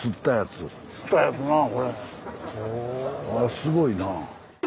すごいなぁ。